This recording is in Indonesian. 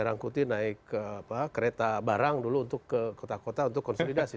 rangkuti naik kereta barang dulu untuk ke kota kota untuk konsolidasi